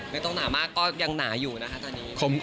ไม่ต้องหนามากก็ยังหนาอยู่นะคะตอนนี้